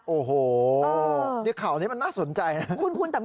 โอ้โหนี่ข่าวนี้มันน่าสนใจนะ